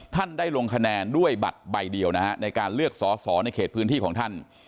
ท่านได้ลงคะแนนด้วยบัตรใบเดียวนะฮะในการเลือกสอสอในเขตพื้นที่ของท่าน